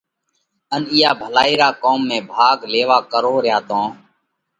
ان اِيئا ڀلائِي را ڪوم ۾ ڀاڳ ليوا ڪروھ ريا تو